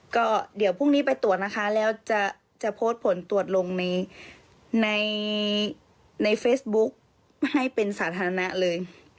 ก็เดี๋ยวพรุ่งนี้ไปตรวจนะคะแล้วจะโพสต์ผลตรวจลงในเฟซบุ๊กให้เป็นสาธารณะเลย